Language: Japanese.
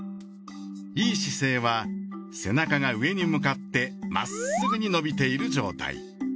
いい姿勢は背中が上に向かってまっすぐに伸びている状態。